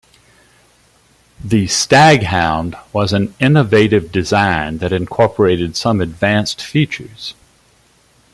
The Staghound was an innovative design that incorporated some advanced features.